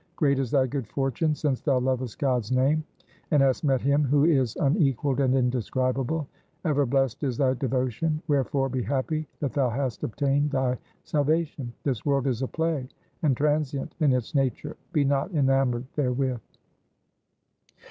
Great is thy good fortune since thou lovest God's name, and hast met Him who is un equalled and indescribable. Ever blest is thy devo tion. Wherefore be happy that thou hast obtained thy salvation. This world is a play and transient in its nature ; be not enamoured therewith.'